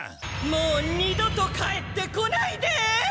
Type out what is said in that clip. もう二度と帰ってこないで！